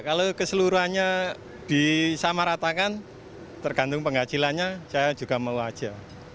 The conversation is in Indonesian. kalau keseluruhannya disamaratakan tergantung penghasilannya saya juga mau aja